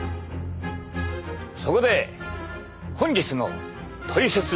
そこで本日のトリセツ